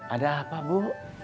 ada apa bu